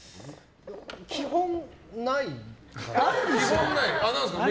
基本、ないかな。